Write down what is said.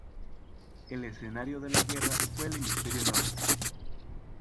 El escenario de la guerra fue el hemisferio Norte.